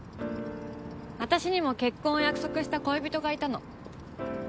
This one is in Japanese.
私にも結婚を約束した恋人がいたの。